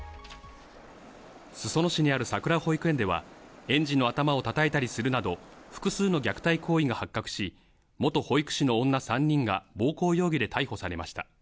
裾野市にあるさくら保育園では園児の頭をたたいたりするなど複数の虐待行為が発覚し、元保育士の女３人が暴行容疑で逮捕されました。